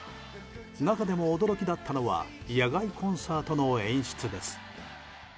中でも、驚きだったのは野外コンサートの演出です。